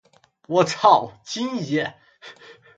我超，京爷